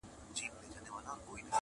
زموږ د تاریخ د اتلانو وطن،